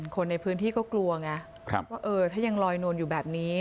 คนในพื้นที่ก็กลัวไงว่าเออถ้ายังลอยนวลอยู่แบบนี้